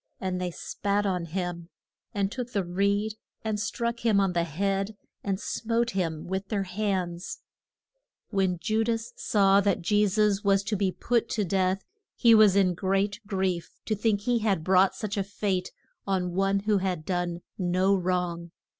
And they spat on him, and took the reed and struck him on the head, and smote him with their hands. [Illustration: BE HOLD THE MAN.] When Ju das saw that Je sus was to be put to death, he was in great grief to think he had brought such a fate on one who had done no wrong.